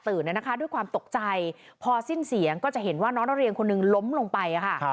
ด้วยความตกใจพอสิ้นเสียงก็จะเห็นว่าน้องนักเรียนคนหนึ่งล้มลงไปค่ะ